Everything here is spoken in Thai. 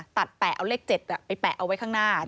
แปะเอาเลข๗ไปแปะเอาไว้ข้างหน้า